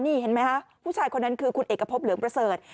นี่เห็นไหมคะผู้ชายคนนั้นคือคุณเอกพบเหลืองประเสริฐ